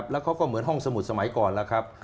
แล้วเขาก็เหมือนห้องสมุดสมัยก่อนแล้วครับ